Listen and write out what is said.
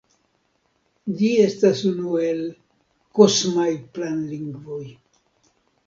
Ĝi estas unu el "kosmaj planlingvoj".